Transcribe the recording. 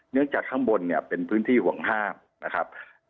เนื่องจากข้างบนเป็นพื้นที่ห่วงห้า